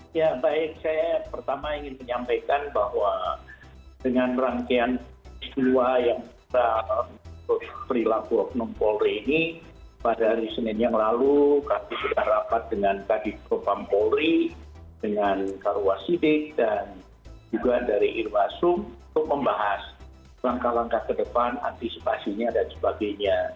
ya baik saya pertama ingin menyampaikan bahwa dengan rangkaian kedua yang kita berilaku enam polri ini pada hari senin yang lalu kami sudah rapat dengan tadi kepompam polri dengan karuasidik dan juga dari irmasum untuk membahas langkah langkah ke depan antisipasinya dan sebagainya